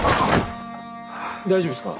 大丈夫ですか？